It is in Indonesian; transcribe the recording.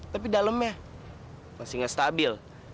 tapi dalamnya masih nggak stabil